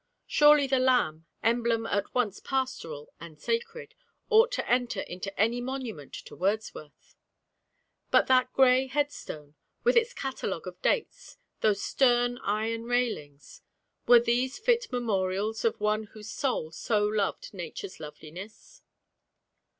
Surely the lamb, emblem at once pastoral and sacred, ought to enter into any monument to Wordsworth; but that gray headstone, with its catalogue of dates, those stern iron railings were these fit memorials of one whose soul so loved nature's loveliness?